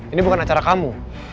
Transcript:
ini bukan acara kamu